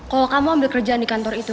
kalau kamu ambil kerjaan di kantor itu